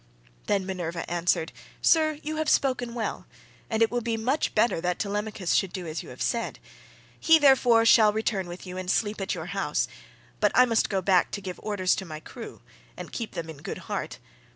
Then Minerva answered, "Sir, you have spoken well, and it will be much better that Telemachus should do as you have said; he, therefore, shall return with you and sleep at your house, but I must go back to give orders to my crew, and keep them in good heart.